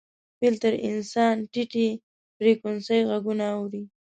فیل تر انسان ټیټې فریکونسۍ غږونه اوري.